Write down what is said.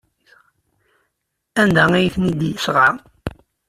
Anda ay ten-id-yesɣa?